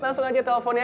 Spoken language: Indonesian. langsung aja telepon ya